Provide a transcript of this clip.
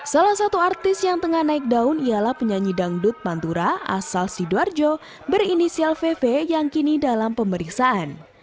salah satu artis yang tengah naik daun ialah penyanyi dangdut pantura asal sidoarjo berinisial vv yang kini dalam pemeriksaan